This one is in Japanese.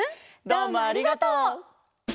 どうもありがとう。